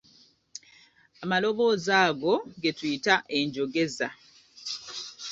Amaloboozi ago ge tuyita enjogeza.